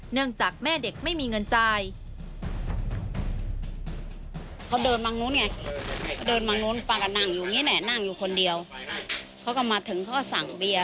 เนื่องจากแม่เด็กไม่มีเงินจ่าย